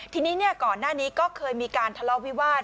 ทีนี้ก่อนหน้านี้ก็เคยมีการทะเลาะวิวาส